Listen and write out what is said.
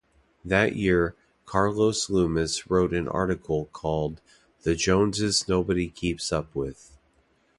That year Carol Loomis wrote an article called The Jones Nobody Keeps Up With.